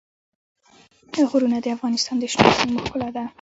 غرونه د افغانستان د شنو سیمو ښکلا ده.